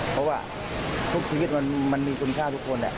เพราะว่าทุกชีวิตมันมีคุณค่าทุกคน